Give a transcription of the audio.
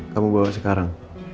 kamu bawa sekarang